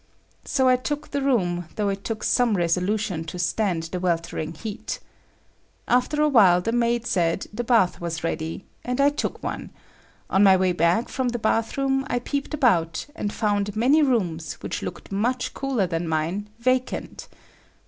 So I took the room though it took some resolution to stand the weltering heat. After a while the maid said the bath was ready, and I took one. On my way back from the bathroom, I peeped about, and found many rooms, which looked much cooler than mine, vacant.